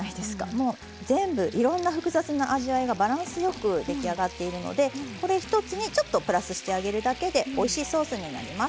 もう全部いろんな複雑な味わいがバランスよく出来上がっているのでこれ一つにちょっとプラスしてあげるだけでおいしいソースになります。